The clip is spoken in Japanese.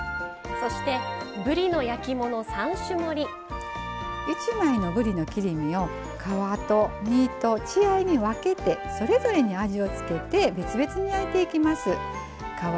そして１枚のぶりの切り身を皮と身と血合いに分けてそれぞれに味を付けて別々に焼いていきます。